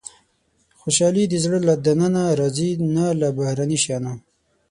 • خوشالي د زړه له دننه راځي، نه له بهرني شیانو.